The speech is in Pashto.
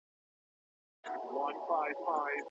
ټول خلګ به صحتمند وي؟